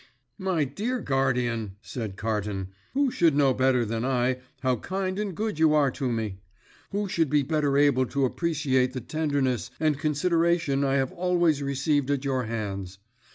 "My dear guardian," said Carton, "who should know better than I how kind and good you are to me? Who should be better able to appreciate the tenderness and consideration I have always received at your hands?